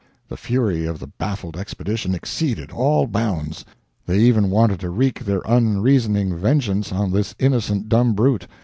The fury of the baffled Expedition exceeded all bounds. They even wanted to wreak their unreasoning vengeance on this innocent dumb brute.